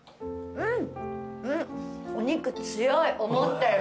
うん。